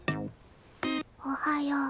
おはよう。